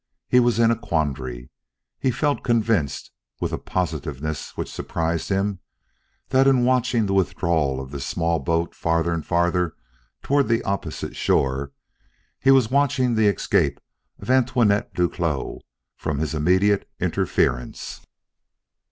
He was in a quandary. He felt convinced, with a positiveness which surprised him, that in watching the withdrawal of this small boat farther and farther toward the opposite shore, he was watching the escape of Antoinette Duclos from his immediate interference.